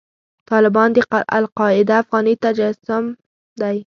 طالبان د القاعده افغاني تجسم دی.